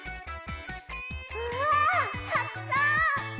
うわたくさん！